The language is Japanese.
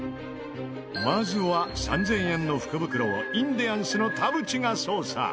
まずは３０００円の福袋をインディアンスの田渕が捜査。